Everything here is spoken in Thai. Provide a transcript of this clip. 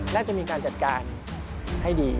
น่าจะมีการจัดการให้ดี